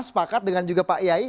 sepakat dengan juga pak yai